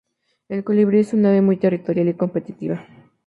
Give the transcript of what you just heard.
El colibrí es un ave muy territorial y competitiva.